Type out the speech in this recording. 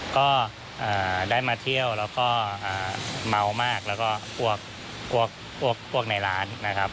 ก็ได้มาเที่ยวแล้วก็เมามากแล้วก็กลัวพวกในร้านนะครับ